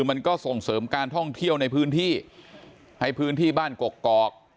มันก็ส่งเสริมการท่องเที่ยวในพื้นที่ให้พื้นที่บ้านกกอก